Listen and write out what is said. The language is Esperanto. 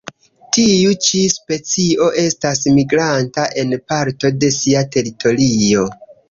Tiu ĉi specio estas migranta en parto de sia teritorio.